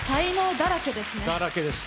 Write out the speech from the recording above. だらけでした。